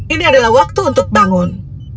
ini adalah waktu untuk bangun